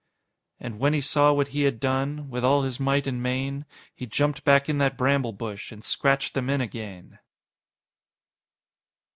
_And when he saw what he had done, With all his might and main, He jumped back in that bramble bush And scratch'd them in again!...